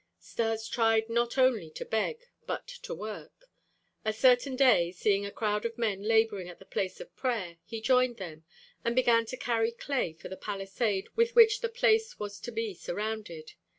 Stas tried not only to beg, but to work. A certain day, seeing a crowd of men laboring at the place of prayer, he joined them, and began to carry clay for the palisade with which the place was to be surrounded.